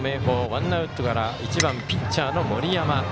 ワンアウトからピッチャーの森山。